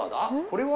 これは。